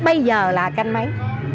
bây giờ là canh mấy